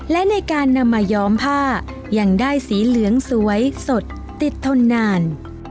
และในการนำมาย้อมผ้ายังได้สีเหลืองสวยสดติดทนนาน